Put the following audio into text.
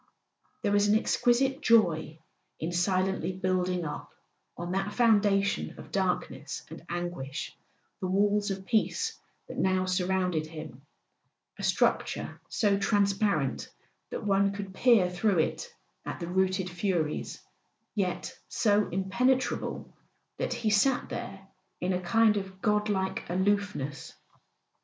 There was an exquisite joy in silently building up, on that founda¬ tion of darkness and anguish, the walls of peace that now surrounded him, a structure so transparent that one could peer through it at the routed Furies, yet so impenetrable that he sat there in a kind of god like aloofness.